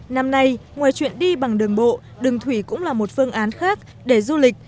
năm nay ngoài chuyện đi bằng đường bộ đường thủy cũng là một phương án khác để du lịch